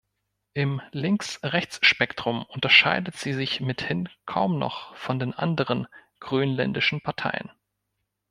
Im Links-rechts-Spektrum unterscheidet sie sich mithin kaum noch von den anderen grönländischen Parteien.